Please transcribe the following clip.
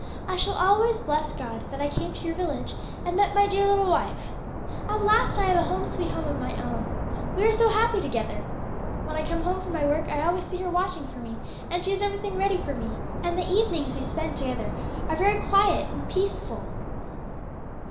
I shall always bless God that I came to your village, and met my dear little wife. "At last I have a 'Home, sweet Home,' of my own. We are so happy together! When I come home from my work, I always see her watching for me, and she has every thing ready for me, and the evenings we spend together are very quiet and peaceful.